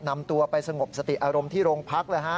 นำตัวไปสงบสติอารมณ์ที่โรงพักเลยฮะ